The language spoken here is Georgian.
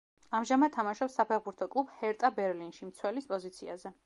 ამჟამად თამაშობს საფეხბურთო კლუბ „ჰერტა ბერლინში“, მცველის პოზიციაზე.